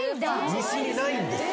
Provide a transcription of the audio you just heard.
西にないんですよ。